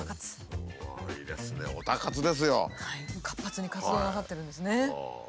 活発に活動なさってるんですね。